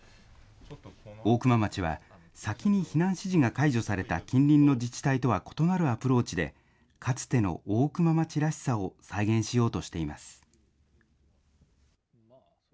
大熊町は、先に避難指示が解除された近隣の自治体とは異なるアプローチで、かつての大熊町らしさを再現しようとしています。